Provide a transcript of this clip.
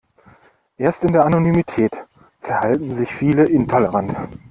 Erst in der Anonymität verhalten sich viele intolerant.